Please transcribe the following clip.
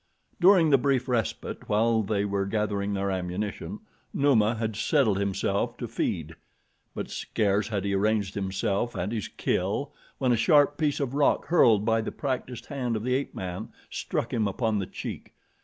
During the brief respite while they were gathering their ammunition, Numa had settled himself to feed; but scarce had he arranged himself and his kill when a sharp piece of rock hurled by the practiced hand of the ape man struck him upon the cheek.